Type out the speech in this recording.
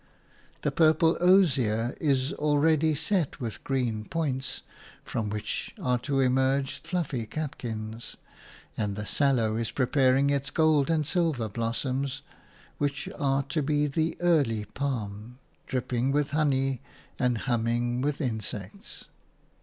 The purple osier is already set with green points from which are to emerge fluffy catkins, and the sallow is preparing its gold and silver blossoms which are to be the early palm, dripping with honey and humming with insects.